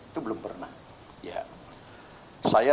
tetapi sepanjang saya disana